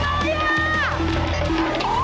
ขอให้คุณโชคดีครับคุณหนึ่งพร้อมแล้ว